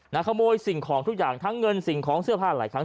ขโมยสิ่งของทุกอย่างทั้งเงินสิ่งของเสื้อผ้าหลายครั้ง